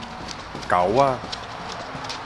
溝仔